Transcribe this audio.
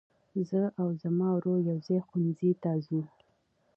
زه او زما ورور يوځای ښوونځي ته ځو.